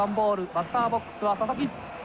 バッターボックスは佐々木。